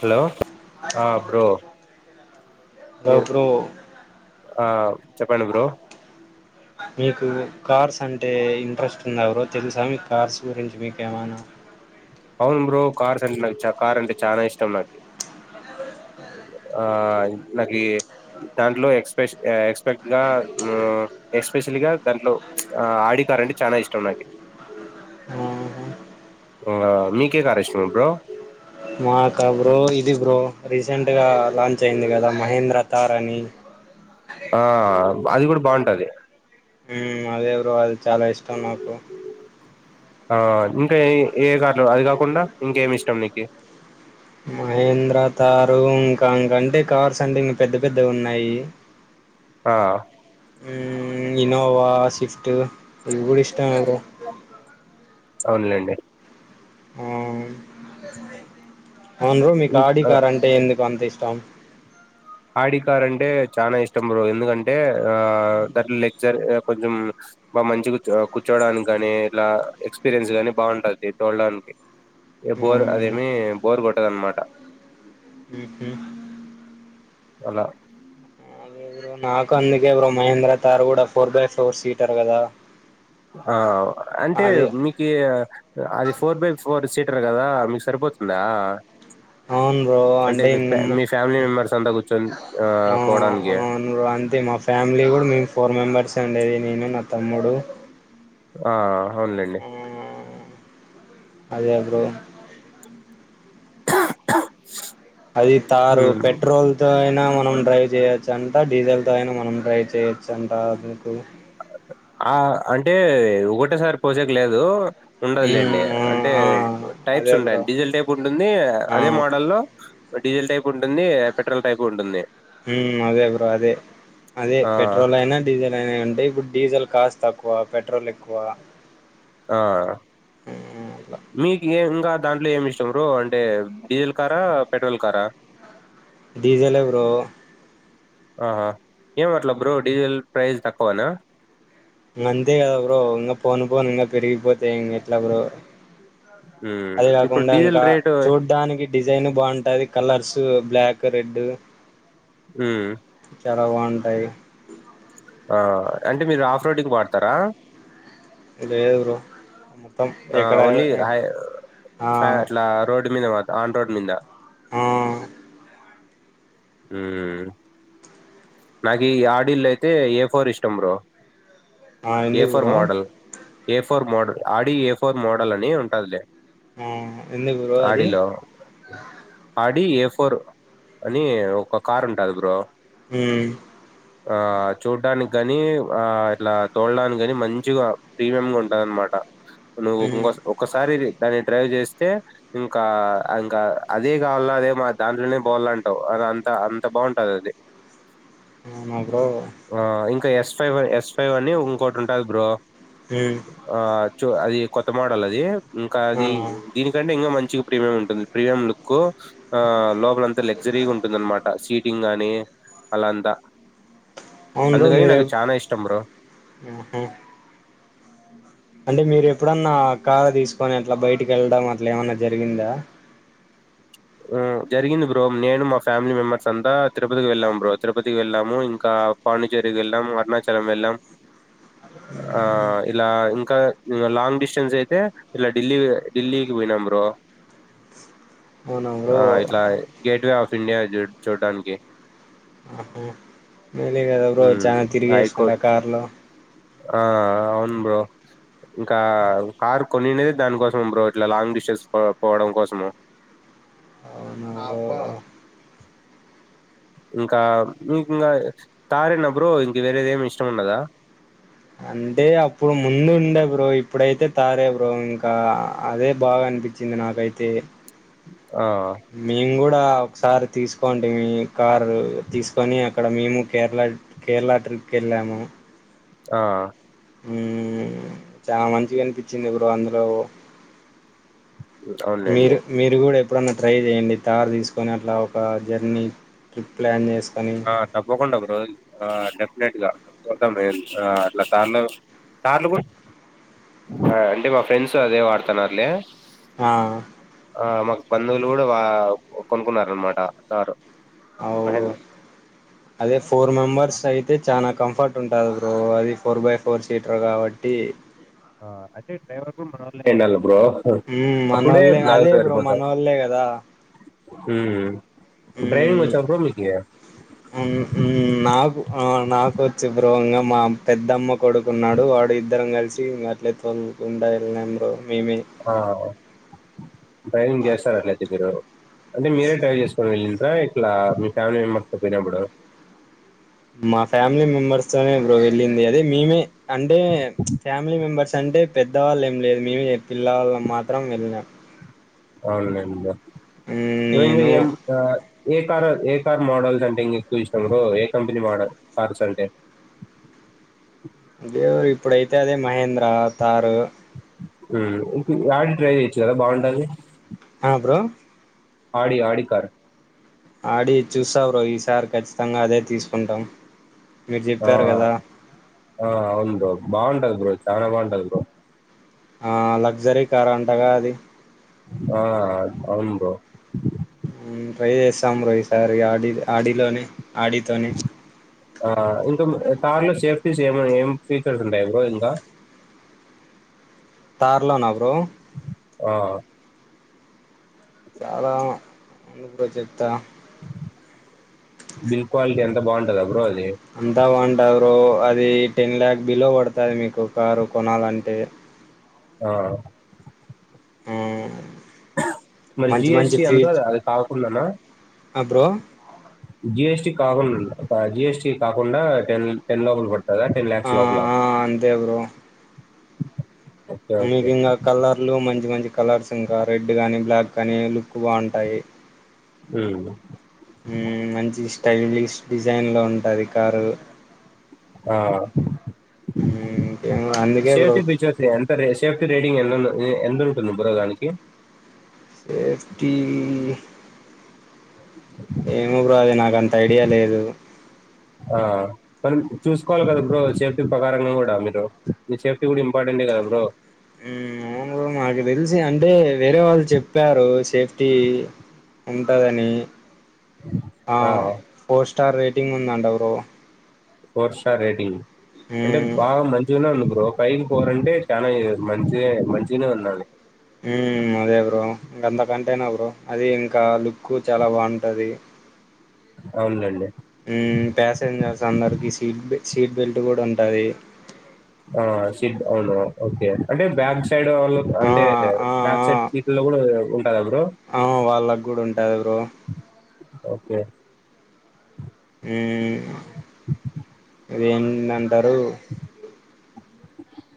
Hello ఆహ్ bro hello మీరు bro ఆహ్ చెప్పండి బ్రో. మీకు కార్స్ అంటే ఇంట్రెస్ట్ ఉందా బ్రో. తెలుసా మీకు కార్స్ గురించి మీకుమైనా. అవును బ్రో కార్స్ అంటే నాకు చ కార్ అంటే చానా ఇష్టం నాకి ఆ నాకి దాంట్లో ఎక్స్పె స్ ఎక్స్పెక్ట్గా ఎక్స్పెషల్గా దాంట్లో ఆ ఆడి కార్ అంటే చానా ఇష్టం నాకి ఆహా ఇంగ మీకే కార్ ఇష్టం బ్రో మాక బ్రో ఇది బ్రో రీసెంట్గా లాంచ్ అయింది కదా మహేంద్ర తార్ అని ఆ అది కూడా బాగుంటది మ్మ్ అదే బ్రో అది చాలా ఇష్టం నాకు ఆ ఇంకా ఏ ఏ కార్ అది కాకుండా ఇంకేమి ఇష్టం నీకు మహేంద్ర తారు ఇంకా ఇంకంటే కార్స్ అంటే ఇంకా పెద్ద పెద్ద ఉన్నాయి ఆ ఇనోవా స్విఫ్ట్ ఇగుడు ఇష్టామే బ్రో అవునులేండి ఆ అవును బ్రో మీకు ఆడి ఇంకా కార్ అంటే ఎందుకు అంత ఇష్టం ఆడి కార్ అంటే చానా ఇష్టం బ్రో ఎందుకంటే ఆ దాట్లో లెక్చర్ కొంచెం బా మంచి కూర్చోడానికి ని కానీ ఇట్ల ఎక్స్పీరియన్స్ గాని బాగుంటది తోడడానికి బోర్ ఉమ్ అదేమి బోర్ కొట్టద అనమాట ఉహు అలా నాక అందుకే బ్రో మహేంద్ర తార్ కూడా ఫోర్ బై ఫోర్ సీటర్ కదా ఆ అంటే అదే మీకి అది ఫోర్ బై ఫోర్ సీటర్ కదా మీకు సరిపోతుందా అవును బ్రో అంటే మీ ఇంగ్ ఫ్యా ము మీ ఫ్యామిలీ మెంబర్స్ అంతా కూర్చొని ఆ పోవడానికి అవును అంతే మా ఫ్యామిలీ కూడా మేమ్ ఫోర్ మెంబెర్స్ ఉండేది నేను నా తమ్ముడు ఆ అవునులెండీ ఆ అదే అప్పుడు అది తారు హ్మ్. పెట్రోల్ తో మనం డ్రైవ్ చేయొచ్చు అంట డీజిల్ త అయినా మనం డ్రై్ చేయొచ్చ అంట ఆ అంటే ఒకటేసారి పోజెక్ లేదు ఉండదులేండి ఉమ్ ఆ అంటే ఆ టైప్స్ అదే బ్రో ఉంటాయండి డిజిటల్ టైప్ ఉంటుంది ఆ అదే మోడల్ల్లో డీజిల్ టైప్ ఉంటుంది పెట్రోల్ టైప్ ఉంటుంది మ్మ్ అదే బ్రో అదే అదే ఆ! పెట్రోల్ అయినా డీజల్ అయినా ఉంటయి ఇప్పుడు డీజిల్ కాస్త తక్కువ పెట్రోల్ ఎక్కువ ఆ మ్మ్ అలా ఇయ ఇంకా దాంట్లో ఏమి ఇష్టం్రో అంటే డీజిల్ కారా పెట్రోల్ కారా డీజెల్ ఎ బ్రో ఆహా ఏమట్ల బ్రో డిజల్ ప్రైజ్ తక్కువన ఇంగ్ అంతే కదా బ్రో ఇంగా పోను పోను ఇంగా పెరిగిపోతయి ఇంగ్ ఎట్లా బ్రో హ్మ్. అదే ఇప్పుడు కాకుండా డీజిల్ ఇంకా రేటు చూడ్డాానికి డిజైన్ బాగుంటది కలర్సు బ్లాక్ రెడ్ మ్మ్ పరవాంటై ఆ! అంటే మీరు ఆఫ్ రోడ్కి వాడతారా లెద్ బ్రో మొత్తం ఆ ఎక్కడ ఓన్లీ హై ఆ ఫ అట్లా రోడ్ మీద మా రోడ్ మిన్ద ఆ హ్మ్ నాకి ఆడిల్లో అయితే ఏ ఫోర్ ఇష్టం బ్రో ఆ ఉంది A four bro model A four model Audi A four model అని ఉంటాది లే ఆ ఎందుకు బ్రో అది అడిలో అడి ఎఫ్ ఫోర్ అని ఒక కార్ ఉంటంది బ్రో మ్ ఆ చూడ్డానికి కాని, ఆ ఇట్లా తోలడానికి కాని మంచిగా ప్రీమియం గా ఉంటద అనమాట నువ్వుం ఉమ్ ఒకసారి దాన్ని డ్రైవ్ చేస్ తె ఇంకా ఇంకా అదే కావాల అదే మా దాంట్లోనే పోవాలంటావు, అది అంత అంత బాగుంటది అది అవునా బ్రో ఆ ఇంకా ఎస్ ఫైవ్ ఎస్ ఫైవ్ అని ఇంకోటి ఉంటుంది బ్రో ఉమ్ ఆ చొ అది కొత్త మోడల్ అది ఇంకా అది అవునా దీనికంటే ఇంకా మంచి ప్రీమియం ఉంటుంది ప్రీమియం లుక్ ఆ లోపలంత లగ్జరీగా ఉంటుంద అనమాట సీటింగ్ ని నే అలంత అవును బ్రో మీరేం అంటే మీరు ఎప్పుడన్నా కార్ తీసుకొని అట్లా, బయటికి వెళ్ళడం అట్లా ఏమన్నా జరిగిందా. ఆ జరిగింది బ్రో నేను మా ఫ్యామిలీ మెంబెర్స్, అంతా తిరుపతికి వెళ్ళాం బ్రో, తిరుపతికి వెళ్ళాము, ఇంకా పాండిచ్చేరికి వెళ్ళాం, అరుణాచలం వెళ్ళాం. ఆ ఇలా ఇంకా లాంగ్ డిస్టెన్స్ అయితే ఇలా ఢిల్లీ ఢిల్లీకి పోయినాం బ్రో అవునా బ్రో ఆ ఇట్లా గేట్ వే పిండియా చు చూడ్డానికి ఆహ మేలే కదా బ్రో చాలా తిరిగేసినారా హైకోర్ట్ కార్లో ఆ అవును బ్రో ఇంకా కారు కొనినేది దానికోసం బ్రో, ఇట్లా లాంగ్ డిస్టెన్స్ పోవడం కోసము. అవ్వా ఇంకా మీకు ఇంగా తారేనా బ్రో ఇంక వేరేది ఏమి ఇష్టం ఉండదా. అంటే అప్పుడు ముందు ఉండే బ్రో, ఇప్పుడైతే తారే బ్రో, ఇంకా అదే బాగా అనిపించింది నాకైతే. ఆ అ మేము కూడా ఒకసారి తీసుకోండి కారు తీసుకొని అక్కడ మేము కేరళ కేరళ టట్రిప్ కేళ్ళాము ఆ ఉ చాలా మంచిగా అనిపించింది ఎ బ్ర అందులో అవునులేండి మీరు మీరు కూడా ఎప్పుడన్న ట్రై చేయండి తారు తీసుకుని అట్లా ఒక జర్నీ ట్రిప్ ప్లాన్ చేసుకు ఆ తప్పకుండా ఆ డెఫిననేటెగా గతం అట్లా తార్లు తార్లు కూడా అంటే మా ఫ్రెండ్స్ అదే వాడుతున్నారులే ఆ ఆ మాకు బంధువులు కూడా వా ఓకొనుకున్నార అనమాట సారు ఆవురు అదే ఫోర్ ఆ, మెంబర్స్ అయితే చానా కంఫర్ట్ ఉంటుంది బ్రో అది ఫోర్ బై ఫోర్ సీటర్ కాబట్టి అదే డ్రైవర్ కూడా మనోలే అయి ఉండాలే మన వాళ్లే అదే బ్రో మన వాళ్లే కదా హ నాకు నాకు వచ్చి భ్రవంగం మా పెద్దమ్మ కొడుకున్నాడు వాడు ఇద్దరం కలిసి ఇం అట్లే తోలుకుండా వెళ్ళినం ఆ ్రైనింగ్ గసార్ అలది మీరు అంటే మీరే ట్ర్రావెల్ చేసుకొని వెళ్ళంటార ఇట్లా మీ ఫ్యామిలీ మెంబర్స్ త పోయినప్పుడు మా ఫ్యామిలీ మెంబెర్స్ తోనే ఇప్పుడు వెళ్ళింది అదే మేమే అంటే ఫ్యామిలీ మెంబెర్స్ అంటే పెద్దవాళ్ళ ఏం లేదు మేమే పిల్లవాళ్ళ మాత్రం వెళ్ళినాం అవున్నాడి రోవి నేను ఎం ఏ కార్ ఏ కార్ మోడల్స్ అంటే ఇంకా ఎక్కువ ఇష్టం గ్రో ఏ కంపెనీ మోడల్ కార్స్ అంటే దదేవరు ఇప్పుడైతే అదే మహేంద్ర తారు ఇ యాంటి ట్రై చెయచ్చు కదా బాగుంటి అ bro Audi Audi car Audi చూస్తావుర ఈసారి ఖచ్చితంగా అదే తీసుకుంటాం మీరు ఆ చెప్పారు కదా ఆ ఉవును బాగుంటది బ్రోజ తర వాంటలు గ ఆ లగ్జరీ కార్ అంటగా అది ఆ అవునుడు ట్రై చేస్తాం రోసార్ ఆడి ఆడిలోనే ఆడితోనే ఆ ఇంత కార్ లో సేఫ్టీస్ ఏమ ఏం ఫీచర్స్ ఉంటాయి బ్రో ఇంకా తార్లోనా బ్రో ఆ చాలా అందుకు చెత బిల్ క్వాలిటీ ఎంత బాగుంటందా బ్రో అది అంతవాన్ తా బ్రో అది టెన్ ల్యాక్ బిలో పడతది మీకు కారు కొనాలంటే ఆ ఆ మరి మంచి మంచి జిఎస్టి ఫీచ్ అంతదా అది కాకుండానా ఆ బ్రో జిఎస్టి కాకుండా జిఎస్టి కాకుండా టెన్ టెన్ లోబల్ ప అదే టెన్ ఆ ల్యాక్స్ లోపలా ఆ అంతే బ్రో మీకు ఇంగా కలర్లు మంచి మంచి కలర్స్ ఇంకా రెడ్ గానీ బ్లాక్ గానీ లుక్ బాగుంటాయి హ మంచి స్టైలిష్ డిజైన్ లో ఉంటది కారు ఆ మ్మ్ ఇంకేమో అందుకే బ్రో సేఫ్టీ పిచోచ్చ అంత సేఫ రేడింగ్ ఎందుదు ఎ ఎందు ఉంటుంది బ్రో దానికి సేఫ్టీ ఏమో బ్రో అది నాక అంత ఐడియా లేదు ఆ మనం చూసుకోవాలి కదా బ్రో సేఫ్టీ ప్రకారంగా కూడా మీరు మీ సేఫ్టీ కూడా ఇంపార్టెంటటే కదా బ్రో అవును నాకు తెలిసి అంటే వేరే వాళ్ళు చెప్పారు సేఫ్ టి ఉంటుందని ఆ పోస్ట్ స్టార్ రేటింగ్ ఉందంట బ్రో ఫోర్ స్టార్ రెటింగ్ అంటే మ్మ్ బాగా మంచిగున్నందుకు ఒక పైకి పోరంటే చాలా మంచి మంచిగానే ఉన్నాడు అదే బ్రో ఇంక అంతకంటేనా బ్రో అది ఇంకా లుక్ చాలా బాగుంటది అవును లెండి ప్యాసెంజర్స్ అందరికి సీట్ సీట్ బెల్ట్ కూడా ఉంటది ఆ సిడ్ అవును ఓకే అంటే బ్యాగ్స్ సైడ్ ఆ అంటే ఆ ఆ బ్యాక్ సైట్ సీట్ లో కూడా ఉ ఆ వాళ్ళకు కూడా ఉంట టది బ్రో ఓకే ఇదేంటంటారు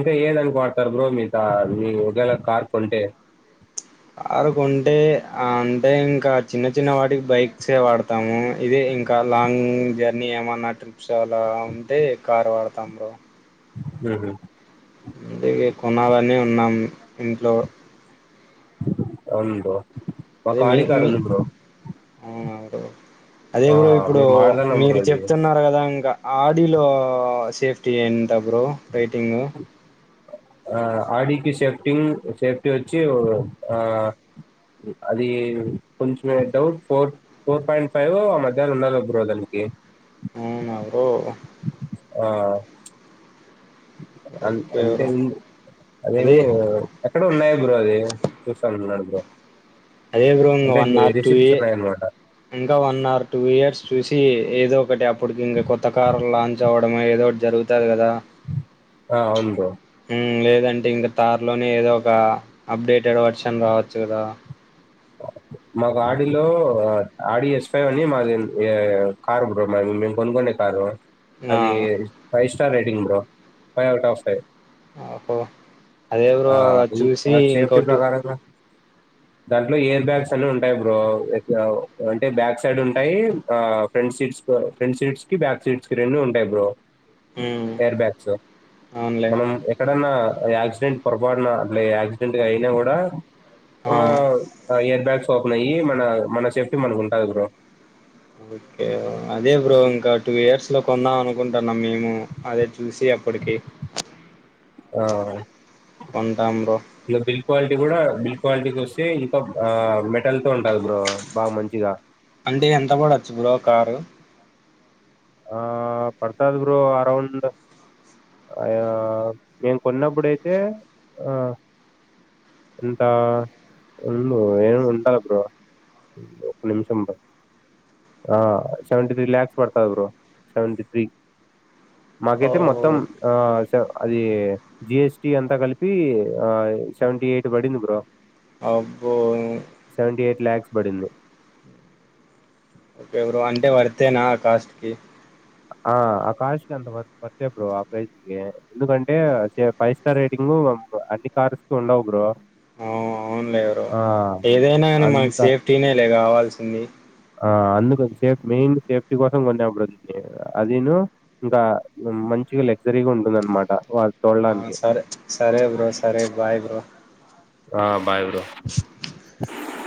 ఇకా ఏదనుకుంటారు బ్రో మీత మీ వగలా కార్ కొంటే కారు కొంటే అంటే ఇంకా చిన్న చిన్న వాటికి బైక్సే వాడతాము ఇదే ఇంకా లాంగ్ జర్నీ ఏమన్నా ట్రిప్స్ అలా ఉంటే కారు వాడతాము బ్రో హు హ్మ్ అందుకే కొనాలన్నీ ఉన్నాం ఇంట్లో అవూను బ్రో ఒక అదే మీ ఆడి కార్ మీ ఉంది బ్రో అవునా బ్రో అదే ఆ! గురు ఇప్పుడు మేము వాడతన్నాం బ్రో మీరు అది. చెప్తున్నారు కదా ఇంకా ఆడిలో సేఫటీ ఎంత బ్రో రైటింగ ఆ ఆడకి సేఫ్టీ సేఫ్టీ వచ్చి ఆ అది కొంచమే doubt four four point five ఆ మధ్యాహ్న ఉండాల బ్రో దానికి అవునా బ్రో ఆ అ ఓకే అంటే బ్రో అదేమి అదే ఎక్కడ ఉన్నాయ బ్రో అది చూస్తానున్నాడు ఓ అదే బ్రో ఇంకా వన్ ఆర్ టూ ఇ ఉన్నాయన్నమాట. ఇంకా వన్ ఆర్ టూ ఇయర్స్ చూసి ఏదో ఒకటి అప్పటికి ఇంక కొత్త కారు లాంచ్ అవ్వడమే ఏదో ఒకటి జార్గుతాధి కదా ఆ అవును బ్రో ఉమ్ లేదంటే ఇంకా తార్లోనే ఏదో ఒక అప్డేటెడ్ వర్షన్ రావచ్చు కదా మాకు ఆడలో ఆడ ఎస్ ఫైవ్ అని మా కారు బ్రో మేము కొనుకునే కారు ఆ అది ఫైస్ స్టార్ రేటింగ్ బ్ర ఫైవ్ అవుట్ ఆఫ్ ఫైవ్ అ అదే బ్రో ఆ అ చూసి ఇంకా సేఫ్టీ ఇంకోటి ప్రకారంగా దాంట్లో ఇయర్ బ్యాగ్స్ అన్ని ఉంటాయి్ బ్రో అంటే బ్యాక్ సైడ్ ఉంటాయి ఆ ఫ్రంట్ సీట్స్ ఫ్రంట్ సీట్స్ కి బ్యాక్ సీట్స్ కి రె ఉంటాయి బ్రో ఉమ్ ఎర్ బ్యాగ్స్ అవునులే మనం ఎక్కడన్నా యాక్సిడెంట్ పొరపాడిన అట్ యాక్సిడెంట్ అయినా కూడా ఆ ఎయిర్ బ్యాగ్స్ ఓపెన్ అయ్యి మన మన సేఫ్టీ మనకు ఉంటుంది బ్రో ఓకే అదే బ్రో ఇంకా టూ ఇయర్స్ లో కొందాం అనుకుంటా నా మేము అదే చూసి అప్పటికి ఆ కొంటాం బ్రో వచ్చే ఇంకా ఆ మెటల్ త ఉంటారు బ్రో బాగా మంచిగా అంటే ఎంత పడొచ్చు బ్రో కారు ఆ పడతంది బ్రో అరౌండ్ మేము కొన్నప్పుడైతే ఆ ఎంత ఉ ఏమి ఉంటదు బ్రో ఒక నిమిషం బ్రో ఆ సెవెంట త్రీ లక్స్ పడ్తాది సెవెంట త్రీ ఓ మాకైతే మొత్తం ఆ అది జిఎస్టి అంతా కలిపి ఆ సెవెంటీ ఎయిట్ పడింది బ్రో అబూ లాక్స్ పడింది ఓకే బ్రో అంటే వర్తేనా కాస్ట్ కి ఆ ఆ కార్స్ కి అంత వస్తా బ్రో ఆ ప్రైస్ి ఎందుకంటే ఫైవ్ స్టార్ రేటింగ్ అన్ని కార్స్ కి ఉండవు బ్రో ఆ అవునులేవు్ర ఆ! ఏదైనా కానీ మనకి అందుక సేఫ్టీనే లే కావాల్సింది ఆ అందుకు సేఫ్ మెయిన్ సేఫ్టీ కోసం కొనేప్పుడు అదిను ఇంకా మంచిగా లగ్జరీగా ఉంటుంది అనమాట వాళ్ళ ఆ సరే సరే బ్రో సరే బాయ్ బ్రో ఆ బాయ్